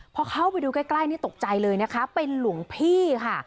พอเข้าไปดูใกล้นี่ตกใจเลยนะคะเป็นหลวงพี่ค่ะ